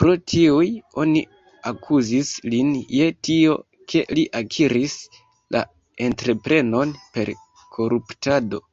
Pro tiuj oni akuzis lin je tio, ke li akiris la entreprenon per koruptado.